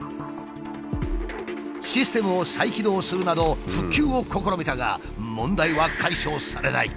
システムを再起動するなど復旧を試みたが問題は解消されない。